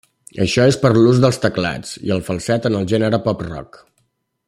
Això és per l'ús dels teclats i el falset en el gènere pop rock.